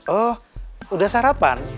oh udah sarapan